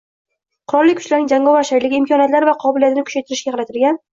Qurolli Kuchlarning jangovar shayligi, imkoniyatlari va qobiliyatini kuchaytirishga qaratilgan